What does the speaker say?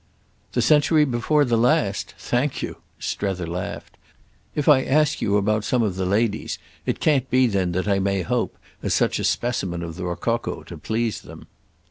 "The century before the last? Thank you!" Strether laughed. "If I ask you about some of the ladies it can't be then that I may hope, as such a specimen of the rococo, to please them."